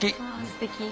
すてき。